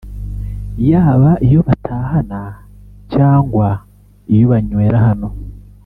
yaba iyo batahana cyangwa iyo banywera hano